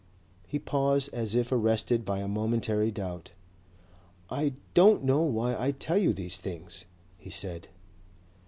He paused as if arrested by a momentary doubt. "I don't know why I tell you these things," he said.